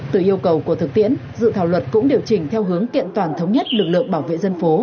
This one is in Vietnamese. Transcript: từ yêu cầu của thực tiễn dự thảo luật cũng điều chỉnh theo hướng kiện toàn thống nhất lực lượng bảo vệ dân phố